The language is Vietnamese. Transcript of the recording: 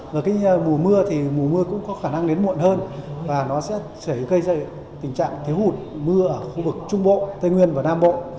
và mùa mưa cũng có khả năng đến muộn hơn và nó sẽ gây ra tình trạng thiếu hụt mưa ở khu vực trung bộ tây nguyên và nam bộ